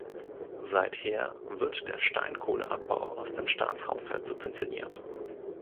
Seither wird der Steinkohleabbau aus dem Staatshaushalt subventioniert.